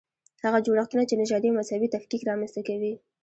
هغه جوړښتونه چې نژادي او مذهبي تفکیک رامنځته کوي.